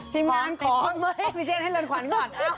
ทีมงานขอพิเศษให้เรินขวัญก่อน